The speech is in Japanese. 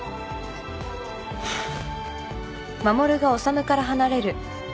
ハァ。